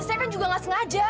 saya kan juga gak sengaja